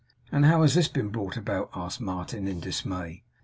'And how has this been brought about?' asked Martin, in dismay.